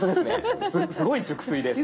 すごい熟睡です。